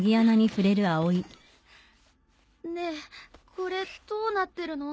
ねえこれどうなってるの？